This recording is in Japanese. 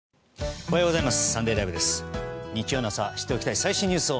おはようございます。